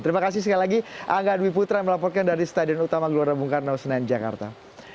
terima kasih sekali lagi angga dwi putra yang melaporkan dari stadion utama gelora bung karno senayan jakarta